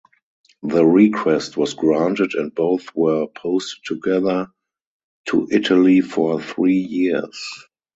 The request was granted and both were posted together to Italy for three years.